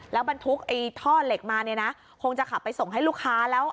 แล้วบรรทุกไอ้ท่อเหล็กมาเนี่ยนะคงจะขับไปส่งให้ลูกค้าแล้ว